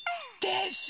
でしょ！